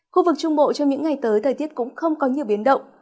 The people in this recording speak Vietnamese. khu vực trung bộ trong những ngày tới thời tiết cũng không có nhiều biến động